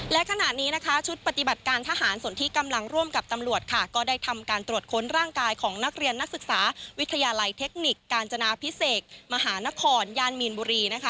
และขณะนี้นะคะชุดปฏิบัติการทหารส่วนที่กำลังร่วมกับตำรวจค่ะก็ได้ทำการตรวจค้นร่างกายของนักเรียนนักศึกษาวิทยาลัยเทคนิคกาญจนาพิเศษมหานครย่านมีนบุรีนะคะ